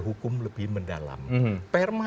hukum lebih mendalam perma